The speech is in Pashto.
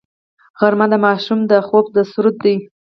غرمه د ماشوم د خوب سرود دی